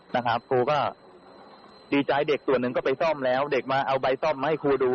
นะครับครูก็ดีใจเด็กส่วนหนึ่งก็ไปซ่อมแล้วเด็กมาเอาใบซ่อมมาให้ครูดู